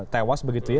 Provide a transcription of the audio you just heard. tewas begitu ya